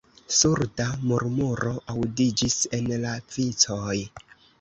Surda murmuro aŭdiĝis en la vicoj.